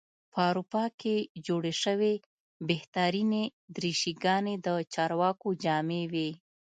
په اروپا کې جوړې شوې بهترینې دریشي ګانې د چارواکو جامې وې.